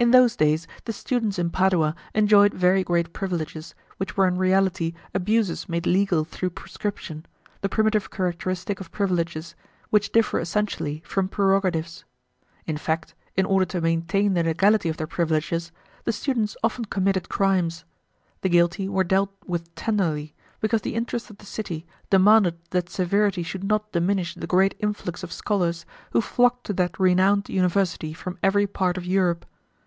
In those days the students in Padua enjoyed very great privileges, which were in reality abuses made legal through prescription, the primitive characteristic of privileges, which differ essentially from prerogatives. In fact, in order to maintain the legality of their privileges, the students often committed crimes. The guilty were dealt with tenderly, because the interest of the city demanded that severity should not diminish the great influx of scholars who flocked to that renowned university from every part of Europe.